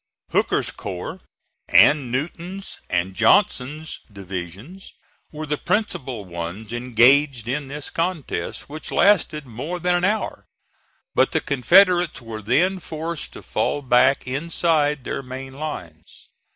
Hooker's corps, and Newton's and Johnson's divisions were the principal ones engaged in this contest, which lasted more than an hour; but the Confederates were then forced to fall back inside their main lines.